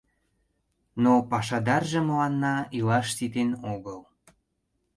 Но пашадарже мыланна илаш ситен огыл.